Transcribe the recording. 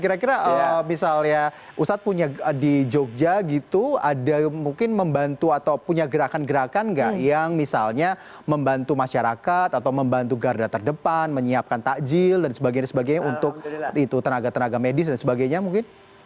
kira kira misalnya ustadz punya di jogja gitu ada mungkin membantu atau punya gerakan gerakan nggak yang misalnya membantu masyarakat atau membantu garda terdepan menyiapkan takjil dan sebagainya untuk itu tenaga tenaga medis dan sebagainya mungkin